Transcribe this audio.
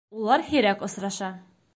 Улар һирәк осраша.